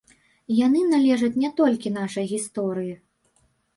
Яны належаць не толькі нашай гісторыі.